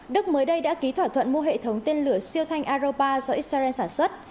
đức mới đây đã ký thỏa thuận mua hệ thống tiên lửa siêu thanh aero ba do israel sản xuất